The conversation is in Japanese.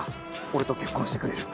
俺と結婚してくれる？